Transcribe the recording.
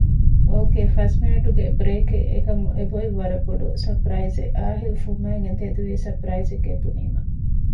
އޯކޭ ފަސް މިނެޓުގެ ބްރޭކެއް އެކަމް އެބޮތް ވަރަށް ބޮޑު ސަޕްރައިޒެއް އާހިލް ފުންމައިގެން ތެދުވީ ސަޕްރައިޒެކޭ ބުނީމަ